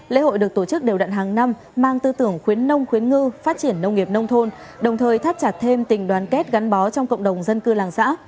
lễ hội được tổ chức đều đặn hàng năm mang tư tưởng khuyến nông khuyến ngư phát triển nông nghiệp nông thôn đồng thời thắt chặt thêm tình đoàn kết gắn bó trong cộng đồng dân cư làng xã